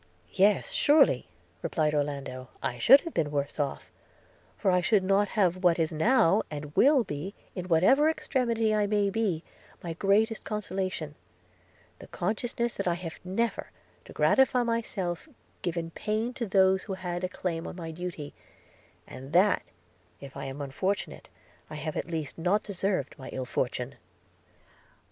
'Yes, surely,' replied Orlando, 'I should have been worse off; for I should not have what is now, and will be, in whatever extremity I may be, my greatest consolation, the consciousness that I have never, to gratify myself, given pain to those who had a claim on my duty; and that if I am unfortunate, I have at least not deserved my ill fortune.'